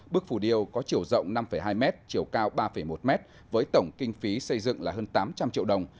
bức phủ điêu có chiều rộng năm hai m chiều cao ba một m với tổng kinh phí xây dựng là hơn tám trăm linh triệu đồng